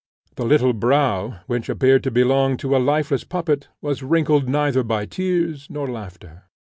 The little brow, which appeared to belong to a lifeless puppet, was wrinkled neither by tears nor laughter.